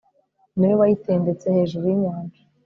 ni we wayitendetse hejuru y'inyanja